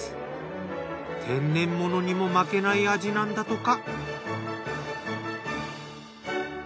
天然ものにも負けない味なんだとか。